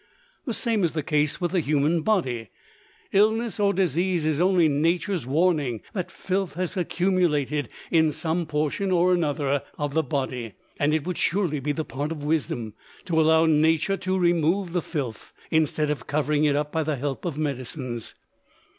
The same is the case with the human body. Illness or disease is only Nature's warning that filth has accumulated in some portion or other of the body; and it would surely be the part of wisdom to allow Nature to remove the filth, instead of covering it up by the help of medicines.